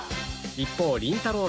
一方りんたろー。